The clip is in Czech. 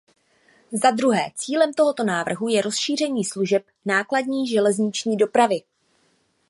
Zadruhé, cílem tohoto návrhu je rozšíření služeb nákladní železniční dopravy.